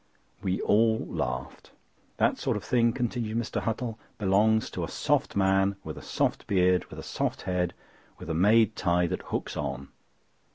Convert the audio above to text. We all laughed. "That sort of thing," continued Mr. Huttle, "belongs to a soft man, with a soft beard with a soft head, with a made tie that hooks on."